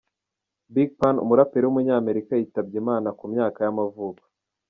Big Pun, umuraperi w’umunyamerika yitabye Imana, ku myaka y’amavuko.